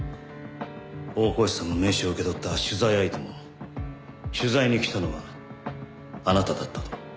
大河内さんの名刺を受け取った取材相手も取材に来たのはあなただったと。